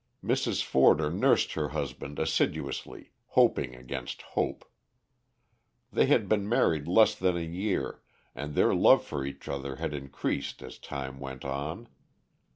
Mrs. Forder nursed her husband assiduously, hoping against hope. They had been married less than a year, and their love for each other had increased as time went on.